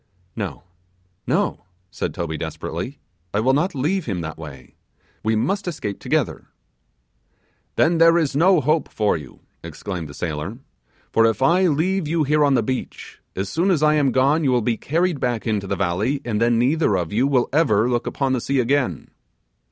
'No, no,' said Toby desperately, 'I will not leave him that way; we must escape together.' 'Then there is no hope for you,' exclaimed the sailor, 'for if I leave you here on the beach, as soon as I am gone you will be carried back into the valley, and then neither of you will ever look upon the sea again.